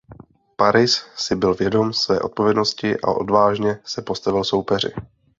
Paris si byl vědom své odpovědnosti a odvážně se postavil soupeři.